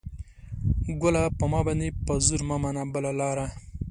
ګله ! په ما باندې په زور مه منه بله لاره